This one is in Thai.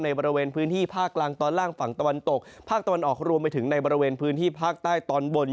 บริเวณพื้นที่ภาคกลางตอนล่างฝั่งตะวันตกภาคตะวันออกรวมไปถึงในบริเวณพื้นที่ภาคใต้ตอนบน